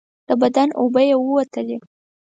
د بدن اوبه یې ووتلې.